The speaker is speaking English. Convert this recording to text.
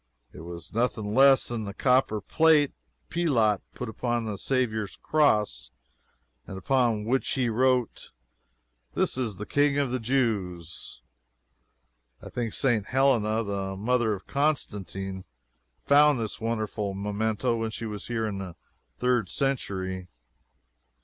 It was nothing less than the copper plate Pilate put upon the Saviour's cross, and upon which he wrote, "THIS IS THE KING OF THE JEWS." I think St. Helena, the mother of Constantine, found this wonderful memento when she was here in the third century.